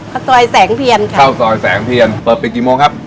ข้าวซอยแสงเพียรค่ะข้าวซอยแสงเพียรเปิดปิดกี่โมงครับ